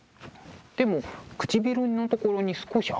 でも唇のところに少し赤い色が。